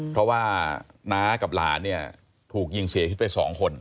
เพราะว่าน้ากับหลานเนี่ยถูกยิงเสียชีวิตไป๒คน